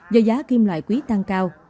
do giá kim loại quý tăng cao